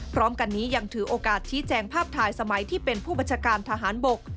พร้อมกันนี้ยังถือโอกาสชี้แจงภาพถ่ายสมัยที่เป็นผู้บัญชาการทหารบก